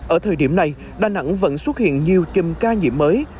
ở thời điểm này đà nẵng vẫn xuất hiện nhiều chùm ca nhiễm mới